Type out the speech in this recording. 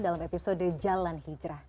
dalam episode jalan hijrah